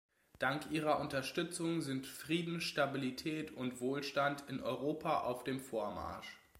Dank Ihrer Unterstützung sind Frieden, Stabilität und Wohlstand in Europa auf dem Vormarsch.